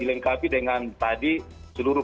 lengkapi dengan tadi seluruh